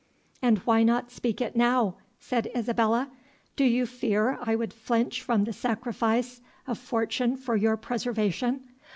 "And why not speak it now?" said Isabella; "do you fear I would flinch from the sacrifice of fortune for your preservation?